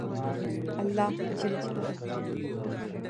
الله